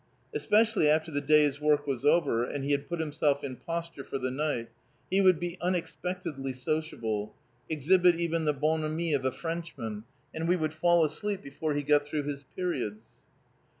Especially after the day's work was over, and he had put himself in posture for the night, he would be unexpectedly sociable, exhibit even the bonhommie of a Frenchman, and we would fall asleep before he got through his periods.